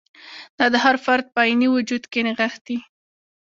دا د هر فرد په عیني وجود کې نغښتی.